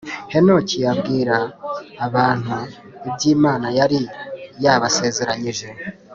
Henoki abwire abantu ibyo Imana yari yabasezeranyije